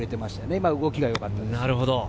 今は動きもよかったです。